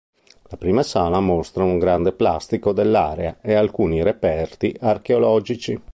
La prima sala mostra un grande plastico dell'area e alcuni reperti archeologici.